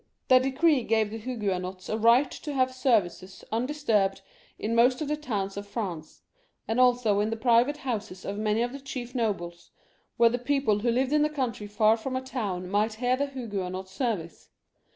The decree gave the Huguenots a right to have services undisturbed in most of the towns of France, and also in the private houses of many of the chief nobles, where the people who lived in the country far from a town might hear the Huguenot service.